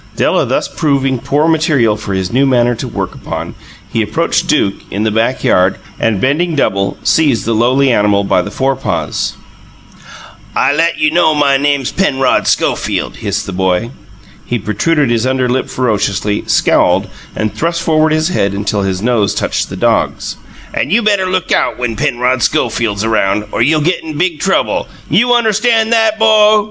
Della thus proving poor material for his new manner to work upon, he approached Duke, in the backyard, and, bending double, seized the lowly animal by the forepaws. "I let you know my name's Penrod Schofield," hissed the boy. He protruded his underlip ferociously, scowled, and thrust forward his head until his nose touched the dog's. "And you better look out when Penrod Schofield's around, or you'll get in big trouble! YOU UNDERSTAN' THAT, 'BO?"